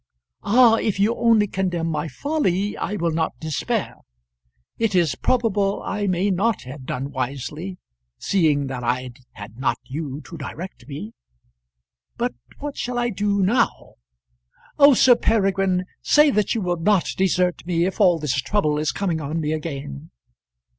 "Ah! if you only condemn my folly, I will not despair. It is probable I may not have done wisely, seeing that I had not you to direct me. But what shall I do now? Oh, Sir Peregrine, say that you will not desert me if all this trouble is coming on me again!"